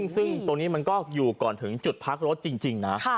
ซึ่งตรงนี้มันก็อยู่ก่อนถึงจุดพักรถจริงนะ